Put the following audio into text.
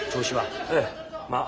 ええまあ。